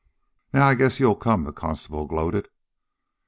"Now, I guess you'll come," the constable gloated.